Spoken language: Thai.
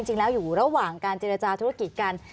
จริงแล้วอยู่ระหว่างการเจรจาธุรกิจกัน